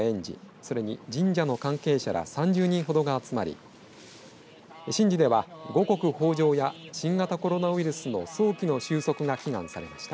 それに、神社の関係者ら３０人ほどが集まり神事では、五穀豊じょうや新型コロナウイルスの早期の収束が祈願されました。